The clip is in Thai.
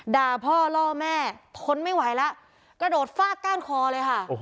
ด่าพ่อล่อแม่ทนไม่ไหวแล้วกระโดดฟาดก้านคอเลยค่ะ